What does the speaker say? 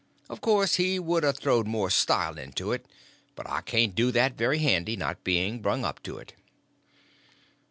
Of course he would a throwed more style into it, but I can't do that very handy, not being brung up to it.